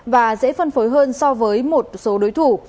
và dễ phân phối hơn so với một số đối thủ